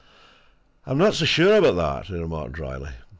"I'm not so sure about that," he remarked, drily.